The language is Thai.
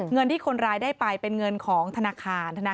เงินที่คนร้ายได้ไปเป็นเงินของธนาคาร